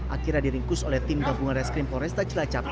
akhirnya diringkus oleh tim pabungan reskrim floresta jelacap